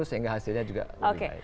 sehingga hasilnya juga lebih baik